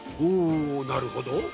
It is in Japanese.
おなるほど。